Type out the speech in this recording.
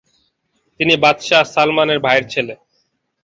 তিনি বাদশাহ সালমানের ভাইয়ের ছেলে।